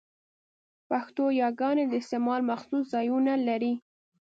پښتو يګاني د استعمال مخصوص ځایونه لري؛